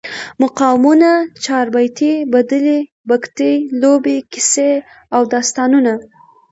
مقامونه، چاربیتې، بدلې، بګتی، لوبې، کیسې او داستانونه